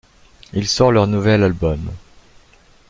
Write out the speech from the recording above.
Il sort leur nouvel album, '.